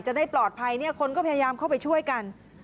จะได้ปลอดภัยเนี่ยคนก็พยายามเข้าไปช่วยกัน